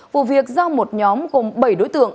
vụ việc do một nhóm cùng bảy đối tượng